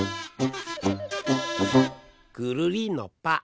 ぐるりんのぱ。